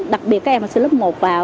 đặc biệt các em sinh lớp một vào